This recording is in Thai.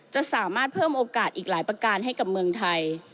จะสามารถเพิ่มโอกาสอีกหลายประการให้กับเมืองไทย